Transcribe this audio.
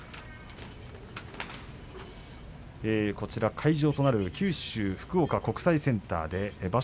会場となる九州福岡国際センターで場所